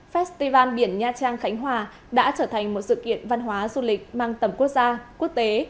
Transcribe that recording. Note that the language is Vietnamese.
festival biển nha trang khánh hòa đã trở thành một sự kiện văn hóa du lịch mang tầm quốc gia quốc tế